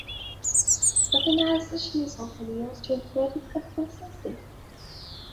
Tokenization is often used in credit card processing.